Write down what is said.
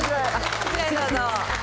こちらへどうぞ。